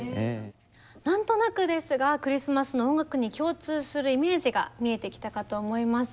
何となくですがクリスマスの音楽に共通するイメージが見えてきたかと思います。